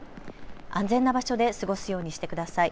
安全な場所で過ごすようにしてください。